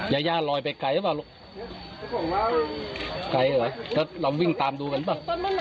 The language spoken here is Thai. ยาย่าลอยไปไกลหรือเปล่าลูกไกลเหรอแล้วลองวิ่งตามดูกันป่ะ